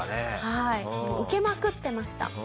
はい受けまくってました。